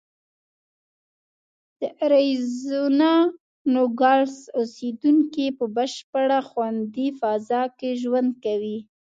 د اریزونا نوګالس اوسېدونکي په بشپړه خوندي فضا کې ژوند کوي.